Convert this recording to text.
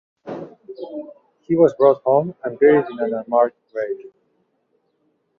He was brought home and buried in an unmarked grave.